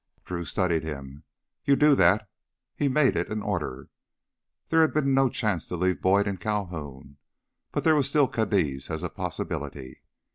Drew studied him. "You do that!" He made it an order. There had been no chance to leave Boyd in Calhoun. But there was still Cadiz as a possibility.